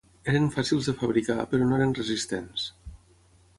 Eren fàcils de fabricar, però no eren resistents.